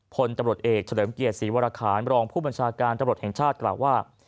พลตำรวจเอกเฉลิมเกียรติศรีวรคารรองผู้บัญชาการตำรวจแห่งชาติกล่าวว่า